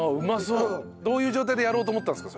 どういう状態でやろうと思ったんですか？